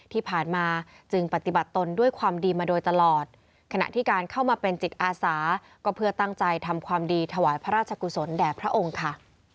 ที่ผ่านมาจึงปฏิบัติตนด้วยความดีมาโดยตลอดขณะที่การเข้ามาเป็นจิตอาสาก็เพื่อตั้งใจทำความดีถวายพระราชกุศลแด่พระองค์ค่ะ